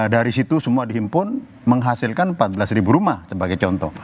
dari situ semua dihimpun menghasilkan empat belas rumah sebagai contoh